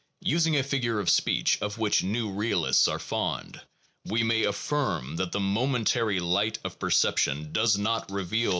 Using a figure of speech of which new realists are fond, we may affirm that the momentary light of perception does not reveal the object No.